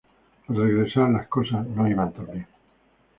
Al regresar, las cosas no van tan bien.